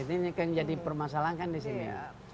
ini kan jadi permasalahan kan disini